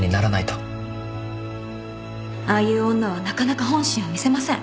ああいう女はなかなか本心を見せません